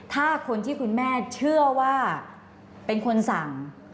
ถ้าคนที่คุณแม่เชื่อว่าเป็นคนสั่ง